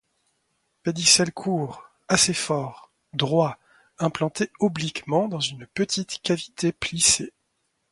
Pédicelle court, assez fort, droit, implanté obliquement dans une petite cavité plissée.